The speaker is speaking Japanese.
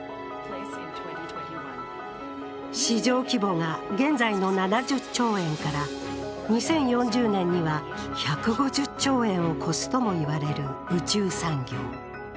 市場規模が現在の７０兆円から２０４０年には１５０兆円を超すとも言われる宇宙産業。